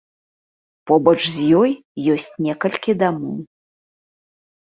Побач з ёй ёсць некалькі дамоў.